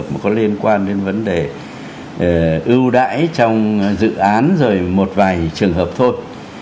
mà có liên quan đến vấn đề ưu đãi trong dự án rồi một vài trường hợp thôi